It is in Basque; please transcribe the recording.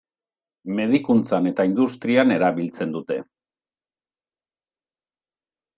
Medikuntzan eta industrian erabiltzen dute.